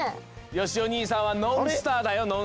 よしお兄さんはノンスターだよノンスター。